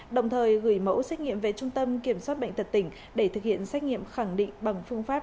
đồng thời gửi mẫu xét nghiệm về trung tâm kiểm soát bệnh tật tỉnh để thực hiện xét nghiệm khẳng định bằng phương pháp